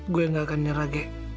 saya tidak akan menyerah gek